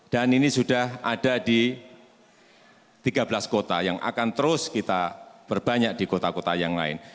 ini sudah ada di tiga belas kota yang akan terus kita perbanyak di kota kota yang lain